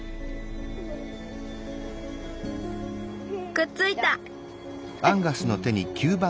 くっついた。